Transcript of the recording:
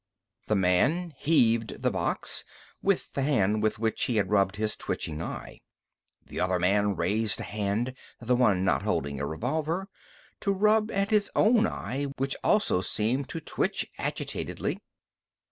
The man heaved the box, with the hand with which he had rubbed his twitching eye. The other man raised a hand the one not holding a revolver to rub at his own eye, which also seemed to twitch agitatedly.